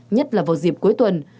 nhất là vào dịp cuối tuần